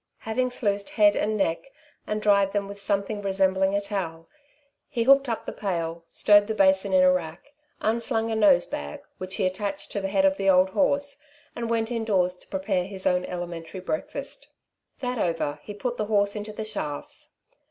Having sluiced head and neck and dried them with something resembling a towel, he hooked up the pail, stowed the basin in a rack, unslung a nosebag, which he attached to the head of the old horse, and went indoors to prepare his own elementary breakfast. That over, he put the horse into the shafts.